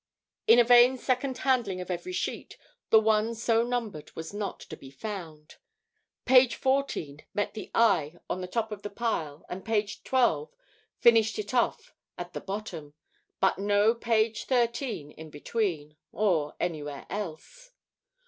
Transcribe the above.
In vain a second handling of every sheet, the one so numbered was not to be found. Page 14 met the eye on the top of the pile, and page 12 finished it off at the bottom, but no page 13 in between, or anywhere else.